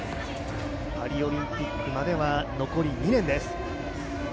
パリオリンピックまでは残り２年です。